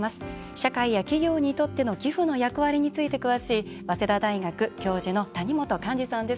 社会や企業にとっての寄付の役割について詳しい早稲田大学教授の谷本寛治さんです。